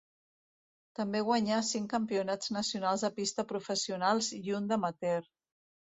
També guanyà cinc campionats nacionals de pista professionals i un d'amateur.